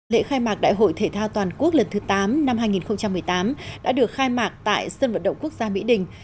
lễ khai mạc đại hội thể thao toàn quốc lần thứ tám năm hai nghìn một mươi tám đã được khai mạc tại sân vận động quốc gia mỹ đình